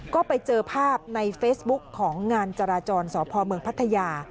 ก็ไปเจอภาพในเฟซบุ๊คของงานจราจรสพเมืองพัทยา